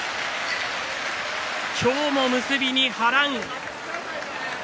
今日も結びに波乱。